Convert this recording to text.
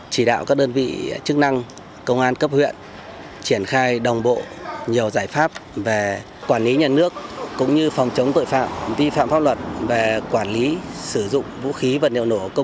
chỉ đạo các đơn vị chức năng công an cấp huyện triển khai đồng bộ nhiều giải pháp về quản lý nhà nước cũng như phòng chống tội phạm vi phạm pháp luật về quản lý sử dụng vũ khí vật liệu nổ công cụ